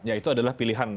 ya itu adalah pilihan